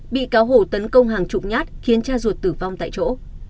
bị cáo hổ tấn công hàng chục nhát khiến cha ruột tử vong tại chỗ